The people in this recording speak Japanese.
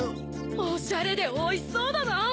おしゃれでおいしそうだな！